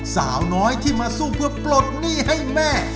สาวน้อยที่มาสู้เพื่อปลดหนี้ให้แม่